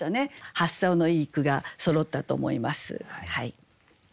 発想のいい句がそろったと思います。